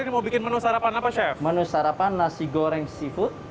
menu sarapan nasi goreng seafood